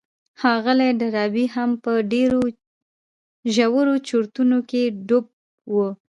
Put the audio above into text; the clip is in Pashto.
ښاغلی ډاربي هم په ډېرو ژورو چورتونو کې ډوب و.